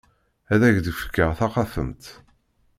Ad ak-d-fkeɣ taxatemt.